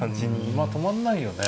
まあ止まんないよね